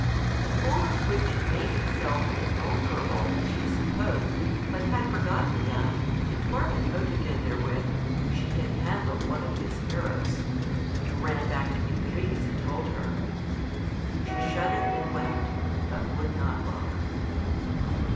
The foolish witch had made herself invulnerable, as she supposed, but had forgotten that, to torment Photogen therewith, she had handled one of his arrows. He ran back to Nycteris and told her. She shuddered and wept, but would not look.